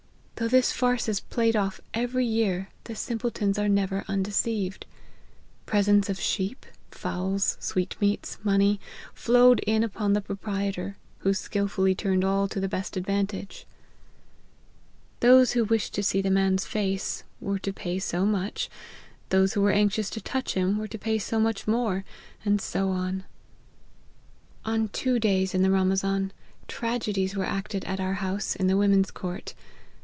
Though this farce is played off every year, the simpletons are never undeceived. Presents of sheep, fowls, sweetmeats, money, flowed in upon the proprietor, who skil fully turned all to the best advantage. Those who * A cousin of Mohammed, and head of a religious sect. . 60 LIFE OF HENRf MAR f TV. wished to see the man's face, were to p*\y so much , those who were anxious to touch him, were to pay so much more ; and so on. " On two days in the Ramazan, t^$edies were acted at our house, in the women's ccrirt.